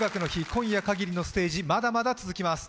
今夜限りのステージ、まだまだ続きます。